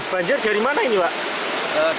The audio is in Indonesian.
banjir dari mana ini pak